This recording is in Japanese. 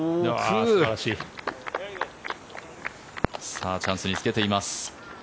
さあ、チャンスにつけています。